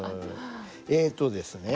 えっとですね